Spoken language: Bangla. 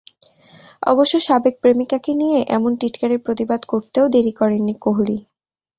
অবশ্য সাবেক প্রেমিকাকে নিয়ে এমন টিটকারির প্রতিবাদ করতেও দেরি করেননি কোহলি।